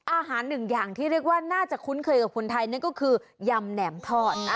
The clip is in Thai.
อาหารหนึ่งอย่างที่เรียกว่าน่าจะคุ้นเคยกับคนไทยนั่นก็คือยำแหนมทอด